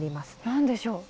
何でしょう。